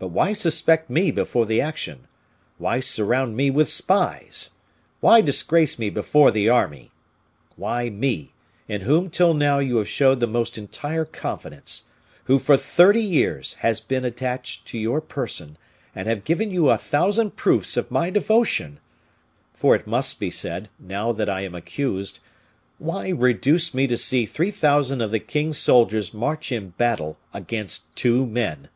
But why suspect me before the action? Why surround me with spies? Why disgrace me before the army? Why me, in whom till now you showed the most entire confidence who for thirty years have been attached to your person, and have given you a thousand proofs of my devotion for it must be said, now that I am accused why reduce me to see three thousand of the king's soldiers march in battle against two men?"